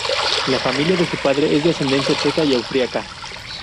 La familia de su padre es de ascendencia checa y austríaca.